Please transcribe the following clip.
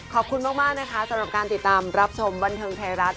ขอบคุณมากนะคะสำหรับการติดตามรับชมบันเทิงไทยรัฐ